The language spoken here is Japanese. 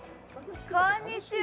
こんにちは。